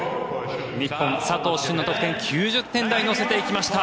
日本佐藤駿の得点９０点台乗せていきました。